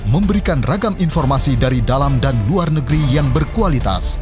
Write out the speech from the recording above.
memberikan ragam informasi dari dalam dan luar negeri yang berkualitas